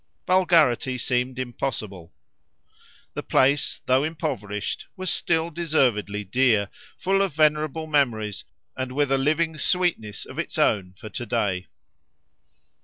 Vulgarity seemed impossible. The place, though impoverished, was still deservedly dear, full of venerable memories, and with a living sweetness of its own for to day.